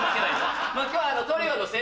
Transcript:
今日は。